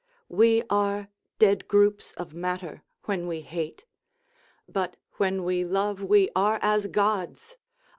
We are dead groups of matter when we hate; But when we love we are as gods!